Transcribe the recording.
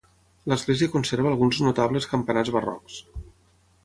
L'església conserva alguns notables campanars barrocs.